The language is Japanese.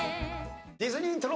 ディズニーイントロ。